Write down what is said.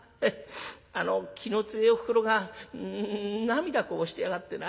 あの気の強えおふくろが涙こぼしてやがってな。